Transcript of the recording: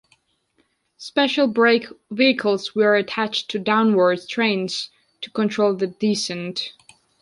Special brake vehicles were attached to downwards trains to control the descent.